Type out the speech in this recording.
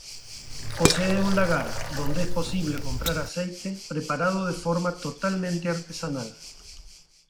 Posee un lagar, donde es posible comprar aceite preparado de forma totalmente artesanal.